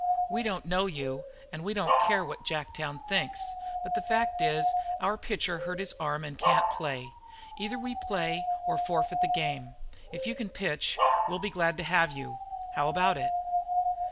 We don't know you, and we don't care what Jacktown thinks. But the fact is, our pitcher hurt his arm and can't play. Either we play or forfeit the game. If you can pitch we'll be glad to have you. How about it?"